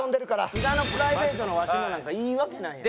津田のプライベートのわしのなんかいいわけないやん。